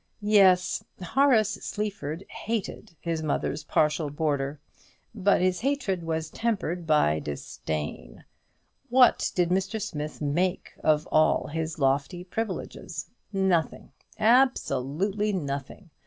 Yes; Horace Sleaford hated his mother's partial boarder; but his hatred was tempered by disdain. What did Mr. Smith make of all his lofty privileges? Nothing; absolutely nothing.